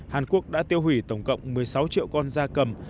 hàn quốc đã tiêu hủy tổng cộng một mươi sáu triệu con da cầm